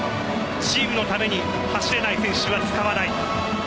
チームのために走れない選手は使わない。